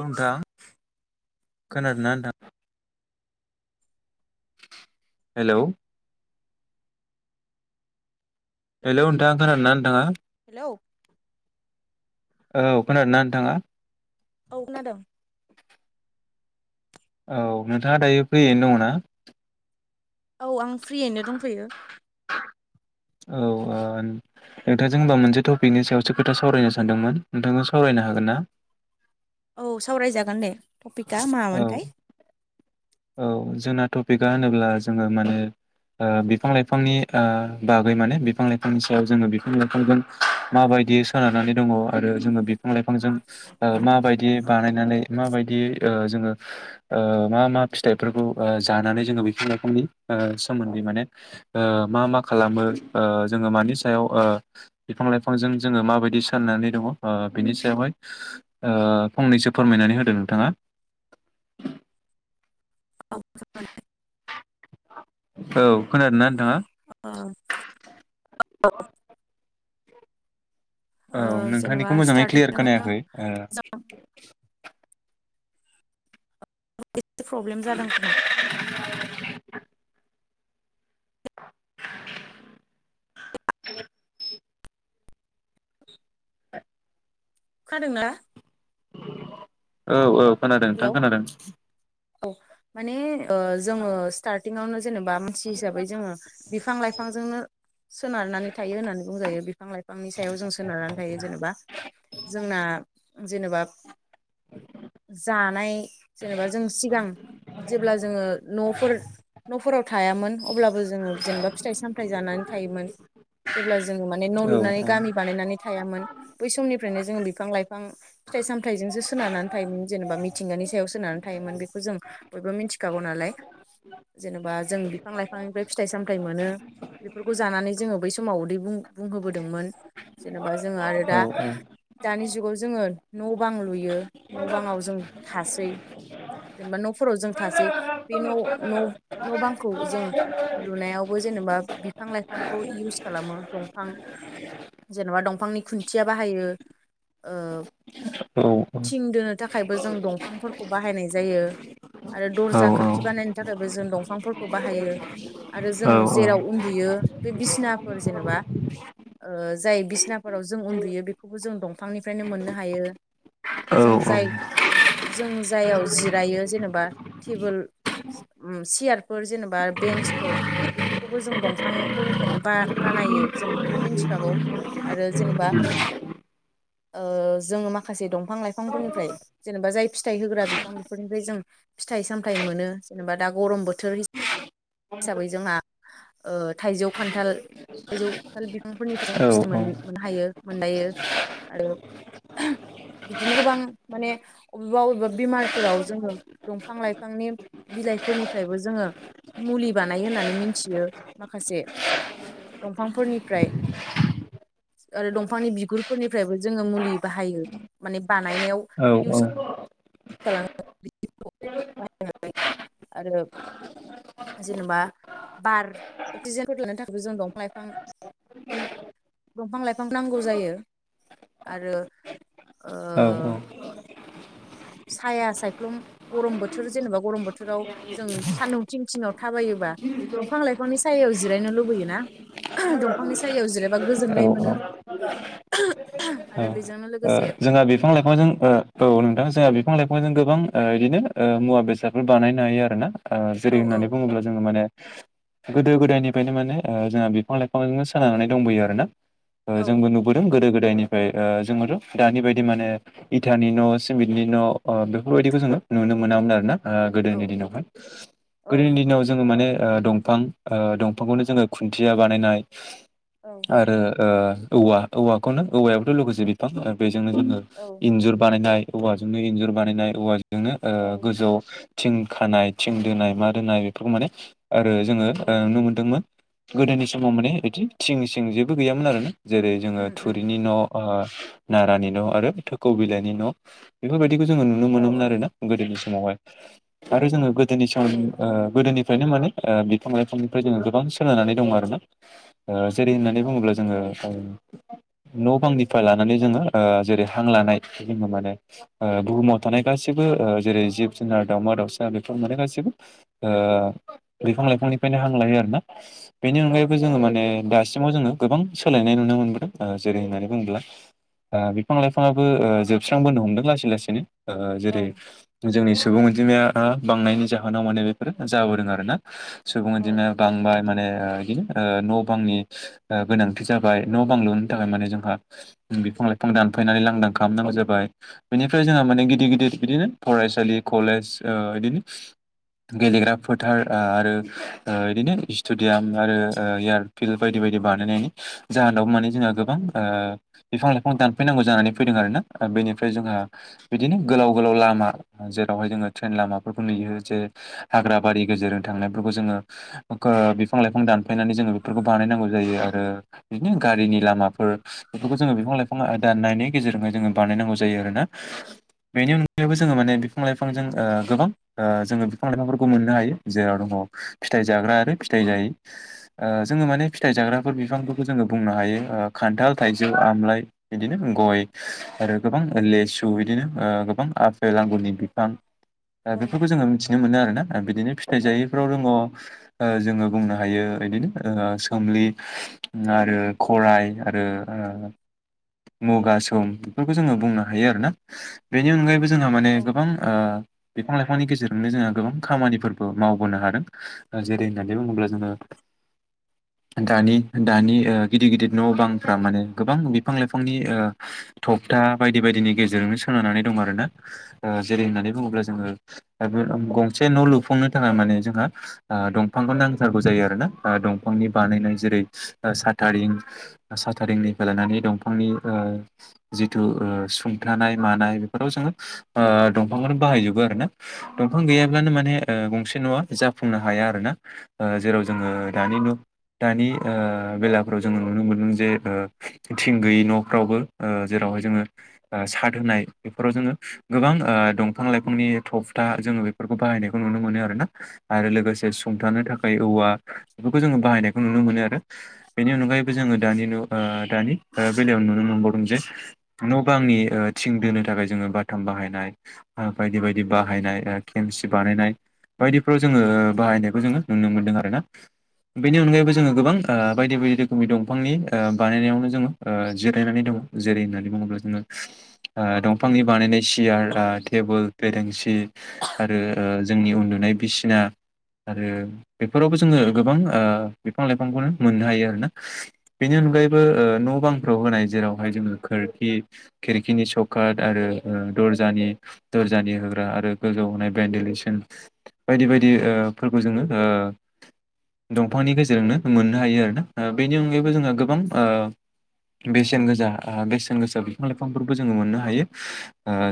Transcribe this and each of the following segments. नोंथां खोनादोंना नोंथां? हेल'। हेल' नोंथां खोनादोंना नोंथाङा? हेलौ। औ खोनादोंना नोंथाङा? औ खोनादों। औ नोंथाङा दायो फ्रियैनो दङ ना? औ आं फ्रियैनो दंथ'यो। औ ओ नोंथां जोंबा मोनसे टपिकनि सायावसो खोथा सावरायनो सानदोंमोन नोंथांखौ सावरायनो नो हागोन ना? औ सावरायजागोन दे टपिकआ औ मामोनथाय औ जोंना टपिकआ होनोब्ला जोङो माने ओ बिफां लाइफांनि ओ बागै माने बिफां लाइफांनि सायाव जोङो बिफां लाइफांजों माबायदि यदि सोनारनानै दङ आरो जोङो बिफां लाइफांजों मा बायदि बानायनानै माबायदियै ओ जोङो ओ मा मा फिथाइफोरखौ जानानै जोङो बिफां रोखोमनि सोमोन्दै माने ओ मा मा खालामो ओ जोङो मानि सायाव ओ बिफां लाइफांजों जोङो माबायदि साननानै दङ ओ बेनि सायाव फंनैसो फोरमायनानै होदों नोंथाङा औ जागोन औ खोनादोंना नोंथाङा औ जेनेबा नोंथांनिखौ मोजाङै क्लियार स्टार्टिंआव खोनायाखै ओ [unintelligible] प्रब्लेम जादों खोमा [unintelligible] खोनादोंना औ औ खोनादों नोंथां हेलौ खोनादों। औ माने जोङो स्टार्टिंआवनो जेनेबा मानसि हिसाबै जोङो बिफां लाइफांजोंनो सोनारनानै थायो होननानै बुंजायो बिफां लाइफांनि सायाव जों सोनारनानै थायो जेनेबा जोंना जेनेबा जानाय जेनेबा जों सिगां जेब्ला जोङो न'फोर न'फोराव थायामोन अब्लाबो जोङो जेनेबा फिथाइ सामथाइ जानानै थायोमोन जेब्ला जोङो माने न' औ लुनानै गामि बानायनानै थायामोन बै समनिफ्रायनो जोङो बिफां लाइफां फिथाइ सामथायाइजोंसो सोनारानानै थायोमोन। जेनेबा मिथिंगानि सायाव सोनानै थायोमोन बेखौ जों बयबो मिथिखागौ नालाय। जेनेबा जों बिफां लाइफांनिफ्राय फिथाइ सामथायाइ मोनो बेफोरखौ जानानै जोङो बै समाव उदै बुं बुंहोबोदोंमोन जेनेबा जोङो आरो औ दा दानि जुगाव जोङो न' बां लुयो न'बाङाव जों थासै जेनेबा न'फोराव जों थासै बे न' न' न' बांखौ जों लुनायावबो जेनेबा बिफां लाइफांखौ इउस खालामो दंफां जेन'बा दंफांनि खुन्थिया बाहायो ओ औ थिं दोनो थाखायबो जों दंफांफोरखौ बाहायनाय जायो आरो औ दर्जा खोरखि बानायनि थाखायबो। जों दंफांफोरखौबो बाहायो आरो जों औ जेराव उन्दुयो बि बिसना फोर जेनेबा ओ जाय बिसनाफोराव जों उन्दुयो बेखौबो जों दंफांनिफ्रायनो मोननो हायो। औ जों जाय औ जों जायायाव जिरायो जेनेबा टेबोल सियारफोर जेनेबा बेन्सफोर बेफोरखौबो जों दंफांफोरनिफ्रायनो बा बा नायो जों बेखौथ' मिथिखागौ आरो जेनेबा [unintelligible] ओ जोङो माखासे दंफां लाइफांफोरनिफ्राय जेनेबा जाय फिथाइ होग्रा बिफां बेफोरनिफ्राय जों फिथाइ सामथायाइ मोनो जेनेबा दा गरम बोथोर हिसाबै जोंहा ओ थाइजौ खान्थाल थाइजौ थाल बिफांफोरनिफ्राय जों फिस्थ मोन मोनहायो मोननायो आरो बिदिनो गोबां माने अबेबा अबेबा बेमारफोराव जोङो दंफां लाइफांनि बिलाइफोरनिफ्रायबो जोङो मुलि बानाय होननानै मिथियो माखासे दंफांफोरनिफ्राय आरो दंफांनि बिगुरफोरनिफ्रायबो जोङो मुलि बाहायो माने बानायनायाव [inaudible] [inaudible] आरो जेनेबा बार अक्सिजेनफोर लानो थाखायबो जों दंफां लाइफां दंफां लाइफां नांगौ जायो आरो अ साया सायख्लुम गरम बोथोर जेनेबा गरम बोथोराव जों सानदुं थिं थङाव थाबायो बा दंफां लाइफांनि सायाव जिरायनो लुबैयोना दंफांनि सायायाव जेरबा औ गोजोननाय मोनो औ आरो बेजोंनो लोग अ जोंहा बिफां लाइफांजों अ औ नोंथां जोंहा बि बिफां लाइफांजों गोबां बिदिनो मुा बेसादफोर बानायनो हायो आरो ना अ औ जेरै औ होननानै बुङोब्ला जोङो माने गोदो गोदायनिफ्रायनो माने अ जोंहा बिफां लाइफांजोंनो सोनारानानै दंबोयो आरोना अ औ जोंबो नुबोदों गोदो गोदायनिफ्राय जोङोथ' दानि बायदि माने इटानि न' सिमिटनि न' अ बेफोरबायदिखौ जोङो नुनो मोनामोन आरो ना अ औ गोदोनि दिनावहाय औ गोदोनि दिनाव जोङो माने अ दंफां अ दंफांखौनो जोङो खुन्थिया बानायनाय आरो अ औवा औवाखौनो औवायावथ' लोगोसे बिफां बेजोंनो जोङो औ इन्जुर बानायनाय औवाजोंनो इन्जुर बानायनाय औवाजोंनो अ औ गोजौ थिं खानाय थिं दोनाय मा दोनाय बेफोरखौ माने आरो जोङो औ नुनो मोनदोंमोन गोदोनि समाव माने बिदि थिं सिं जेबो गैयामोन आरोा जेरै जोङो उम उम थुरिनि न' अ नारानि न' आरो थोखौ बिलाइनि न' बेफोरबायदि दिखौ जोङो नुनो औ मोनोन आरोना गोदोनि समावहाय आरो औ जोङो गोदोनि सम औ अ गोदोनि फ्रायनो माने बिफां लाइफांनिफ्राय जों गोबां सोनारनानै दंङ आरो ना अ जेरै होननानै बुंब्ला औ जोङो न' बांनिफ्राय लाना नै जोङो जेरै हां लानाय जोङो माने बुहुमाव थानाय गासिबो औ जेरै जिब जुनार दाउमा दाउसा बेफोर माने गाससिबो बिफां लाइफांनिफ्रायनो हां लायो आरोना बेनि औ अनगायैबो जोङो माने दासिमाव जोङो गोबां सोलायनाय नुनो मोनबोदों अ जेरै होननानै बुङोब्ला अ बिफां लाइफाङाबो जोबस्रांबोनो हमदों लासै लासैनो अ औ जेरै जोंनि सुबुं अनजिमाया आ बांनायनि जाहोनाव माने बेफोर जाबोदों आरोना सुबुं अनजिमाया बांबाय माने अ बिदिनो अ न' बांनि गोनांथि जाबाय न' बां लुनो थाखाय माने जोंहा ओम बिफां लाइफां दानफायनानै लांदां खालामनांगौ जाबाय बेनिफ्राय जोंहा माने गिदिर गिदिर बिदिनो फरायसालि कलेज अ बिदिनो गेलेग्रा फोथार आरो आ बिदिनो स्टेडियाम आरो एयारफिल्ड बायदि बायदि बानायनायनि जाहोनाव माने जोंहा गोबां आ बिफां लाइफां दानफैनांगौ जानानै फैदों आरोना बेनिफ्राय जोंहा बिदिनो गोलाव गोलाव लामा जेरावहाय जोङो ट्रेन लामाफोरखौ नुयो जे हाग्रा बारि गेजेरजों थांनायफोरखौ जोङो कर बिफां लाइफां दानफायनानै जोङो बेफोरखौ बानायनांगौ जायो आरो बिदिनो गारिनि लामाफोर बेफोरखौ जोङो बिफां लाइफां दाननायनि गेजेरजोंहाय जोङो बानायनांगौ जायो आरोना बेनि अनगायैबो जोङो माने बिफां लाइफांजों अ गोबां अ जोङो बिफां लाइफांफोरखौ मोननो हायो जेराव दङ फिथाइ जाग्रा आरो फिथाइ जायि जोङो माने फिथाइ जाग्राफोर बिफांफोरखौ जोङो बुंनो हायो आ खानथाल थाइजौ आमलााय बिदिनो गय आरो गोबां लेसु बिदिनो आ बिफां आफेल आंगुरनि बिफां बेफोरखौ जोङो मिथिनो मोनो आरो ना आ बिदिनो फिथाइ औ जायैफोराव दङ अ जोङो बुंनो हायो बिदिनो सोमलि आरो खराइ आरो आ मुगा सुम बेफोरखौ जोङो बुंनो हायो आरोना बेनि अनगायैबो जोंहा माने औ गोबां आ बिब बिफां लाइफांनि गेजेरजोंनो जोङो गोबां खामानिफोरबो मावबोनो हादों जेरै होननानै बुङोब्ला जोङो दानि दानि अ गिदिर गिदिर न' बां फोर्रा माने गोबां बिफां लाइफांनि थबथा बायदि बायदिनि गेजेरजोंनो सोनारनानै दं आरोना ओ जेरै उम होननानै बुङोब्ला जोङो बे गंसे न' लुफुंनो थाखाय माने जोंहा दंफांखौ नांथारगौ जायो आरोना। दंफांनि बानायनाय जेरै साथारिं साथारिंनिफ्राय लानानै दंफांनि ओ जिथु ओ सुंथानाय मानाय बेफोराव जोङो ओ दंफांखौनो बाहायजोबो आरोना दंफां गैयाबानो माने गंसे न'आ जाफुंनो हा हाया आरोना ओ जेराव जोङो दानि नु दानि ओ बेलाफ्राव जोङो नुनो मोनो जे थिं गैयि न'फ्रावबो जेरावहाय जोङो साद होनाय बेफोराव जोङो गोबां ओ दंफां लाइफांनि थफथा जोङो बेफोरखौ बाहायनायखौ नुनो मोनो आरोना आरो लोगो से सुंथानो थाखाय औवा बेफोरखौ जोङो बाहायनायखौ नुनो मोनो आरो बेनि अनगायैबो जोङो दानि नु ओ दानि ओ बेलायाव नुनो मोनबावदों जे न' बांनि थिं दोननो थाखाय जों बाथाम बाहायनाय ओ बायदि-बायदि बाहायनाय ओ खेमसि बानायनाय बायदिफ्राव जोङो बाहायनायखौ जोङो नुनो मोनदों आरो ना बेनि अनगायैबो जोङो गोबां ओ बायदि- बायदि रोखोमनि दं फांनि ओ बानायनायावनो जोङो जिरायनानै दङ जेरै होननानै बुङोब्ला जोङो ओ दंफांनि बानायनाय सियार टेबोल बेरेंसि आरो ओ जोंनि उन्दु नाय बिसना आरो बेफोरावबो जोङो गोबां ओ बिफां- लाइफांखौनो मोननो हायो आरोना बेनि अनगायैबो न' बांफ्राव होनाय जेरावहाय जोङो खोरखि खिरखिनि सकाद आरो ओ दरजानि-दरजानि होग्रा आरो गोजौ होनाय भन्देलेसन बायदि-बायदि ओ फोरबो जोंङो ओ दंफांनि गेजेरजोंनो मोननो हायो आरोना ओ बेनि अनगायै बो जोङो गोबां बेसेन-गोजा बेसेन-गोसा बिफां लाइफांफोरबो जोङो मोननो हायो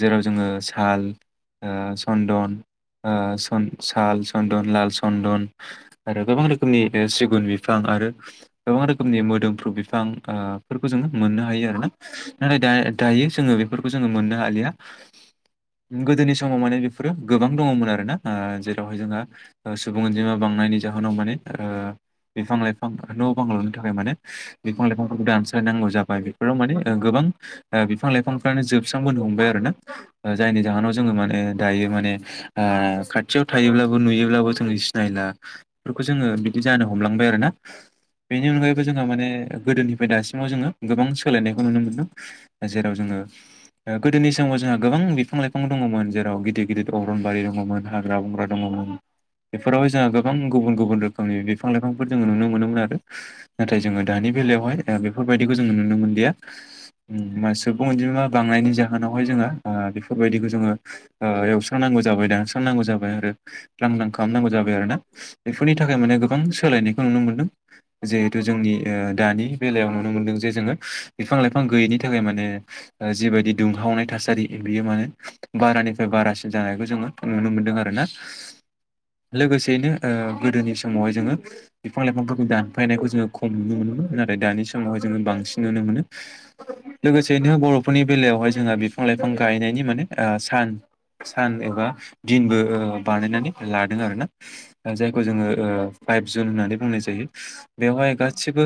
जेराव जोङो थाल ओ सन्दन ओ सन्द साल सन्दन लाल सन्दन आरो गोबां रोखोमनि बे सिगुन बिफां आरो गोबां रोखोमनि मोदोमफ्रु बिफां ओ फोरखौ जोङो मोननो हायो आरोना नाथाय दा दायो जोङो बेफोरखौ जोङो मोननो हालिया गोदोनि समाव माने बेफोरो गोबां दङमोन आरो ना जेरावहाय जोंहा सुबुं अनजिमा बां नायनि जाहोनाव माने ओ बिफां-लाइफां न' बां लुनो थाखाय माने बिफां-लाइफांफोरखौ दानस्रांनांगौ जाबाय बेफोराव माने गोबां ओ बिफां-लाइफांफ्रानो जो जोबस्रांबोनो हमबाय आरोना जायनि जाहोनाव जोङो माने दायो माने ओ खाथियाव थायो ल्बाबो नुयोब्लाबो जों सिनायला बेफोरखौ जोङो बिदि जानो हमलांबाय आरो ना बेनि औ अनगायैबो जोंहा माने गोदोनि फाय दासिमाव जोङो गोबां सोलायनायखौ नुनो मोनदों जेराव जोङो ओ गोदोनि समाव जोंहा गोबां बिफां-लाइफां दङमोन जेराव गिदिर गिदिर अरनबारि दङमोन हाग्रा-बंग्रा दङमोन बेफोरावहाय जोंहा गोबां गुबुन-गुबुन रोखोमनि बिफां लाइफांफोर जोङो नुनो मोनोमोन आरो नाथाय जोङो दानि बेलायावहाय बेफोरबायदिखौ जोङो नुनो मोनलिया उम मा सुबुं अनजिमा बांनायनि जाहोनावहाय जोङो ओ बेफोरबायदिखौ जोङो ओ एवस्रांनांगौ जाबाय दानस्रांनांगौ जाबाय आरो ब्लां-ब्लां खालामनांगौ जाबाय आरोना बेफोरनि थाखाय माने गोबां सोलायनायखौ नुनो मोन्दों जिहेथु जोंनि ओ दानि बेलायाव नुनो मोनदों जे जोङो बिफां लाइफां गैयैनि थाखाय माने जिबायदि दुंहावनाय थासारि बेयो माने बारानिफ्राय बारासिन जानायखौ जोङो नुनो मोनो नदों आरोना लोगोसेनो ओ गोदोनि समावहाय जोंङो बिफां-लाइफां दानफायनायखौ जोङो खम नुनो मोनोमोन नाथाय दानि समावहाय जोङो बांसिन नुनो मोनो लोगोसे बिदिनो बर'फोरनि बेलायावहाय जोंहा-बिफां लाइफां गायनायनि माने सान सान एबा दिनबो बानायनानै लादों आरोना जायखौ जोङो ओ फाइभ जुन होननानै बुंनाय जायो बेवहाय औ गासिबो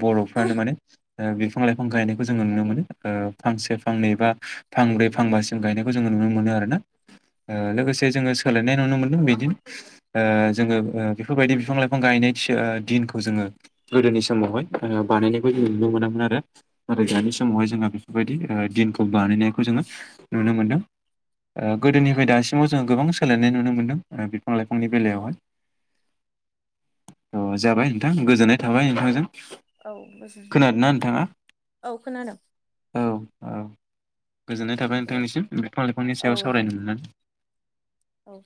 बर'फ्रानो माने ओ बिफां-लाइफां गायनायखौ जोङो नुनो मोनो फांसे फांनै बा फांब्रै फांबासिम गायनायखौ जोङो नुनो मोनो आरो ना ओ लोगोसे जोङो सोलायनाय नुनो मोनदों बिदिनो ओ जोङो बेफोरबायदि बिफां लाइफां गाय [unintelligible] दिनखौ जोङो गोदोनि समावहाय बानायनायखौ जों नुनो मोनामोन आरो दानि समावहाय जोङो बेफोरबायदि दिनखौ बानायनायखौ जोङो नुनो मोनदों। ओ गोदोनिफ्राय दासिमाव जोङो गोबां सोलायनाय नुनो मोनदों ओ बिफां लाइफांनि बेलायावहाय। अ जाबाय नोंथां गोजोननाय थाबाय नोंथांजों औ गोजोनथों खोनादोंना नोंथाङा औ खोनादों। औ औ गोजोननाय थाबाय दे नोंथांनिसिम बिफां लाइफांनि औ सायाव दे सावरायनो मोननानै। औ।